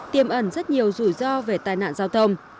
tiêm ẩn rất nhiều rủi ro về tai nạn giao thông